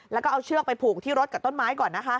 แล้วก็เอาเชือกไปผูกที่รถกับต้นไม้ก่อนนะคะ